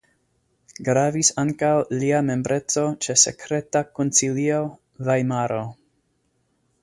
Gravis ankaŭ lia membreco ĉe Sekreta konsilio (Vajmaro).